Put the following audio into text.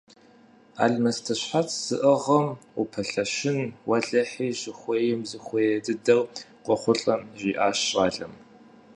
Алмэсты щхьэц зыӀыгъым упэлъэщын, – уэлэхьи, щыхуейм зыхуей дыдэр къохъулӀэм, – жиӀащ щӀалэм.